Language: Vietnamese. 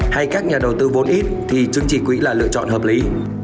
hay các nhà đầu tư vốn ít thì trứng chỉ quỹ là lựa chọn hợp lý